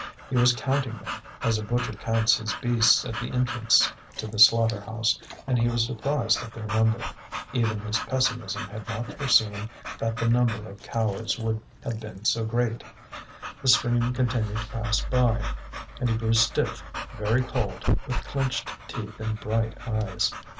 He was counting them, as a butcher counts his beasts at the entrance to the slaughter house, and he was surprised at their number; even his pessimism had not foreseen that the number of cowards would have been so great. The stream continued to pass by, and he grew stiff, very cold, with clenched teeth and bright eyes.